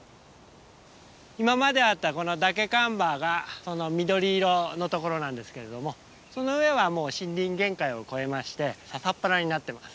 今まであったこのダケカンバがその緑色のところなんですけれどもその上はもう森林限界を超えましてササっ原になってます。